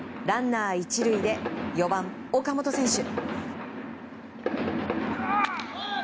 ランナー１塁で４番、岡本選手。